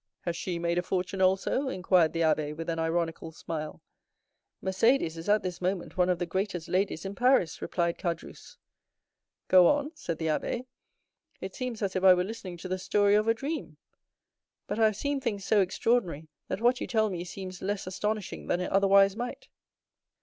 "Has she made a fortune also?" inquired the abbé, with an ironical smile. "Mercédès is at this moment one of the greatest ladies in Paris," replied Caderousse. "Go on," said the abbé; "it seems as if I were listening to the story of a dream. But I have seen things so extraordinary, that what you tell me seems less astonishing than it otherwise might."